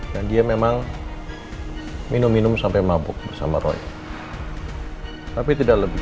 dan dia memang minum minum sampai mabuk bersama roy tapi tidak lebih